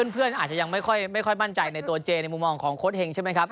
เพื่อนอาจจะยังไม่ค่อยมั่นใจในตัวเจในมุมมองของโค้ดเฮงใช่ไหมครับ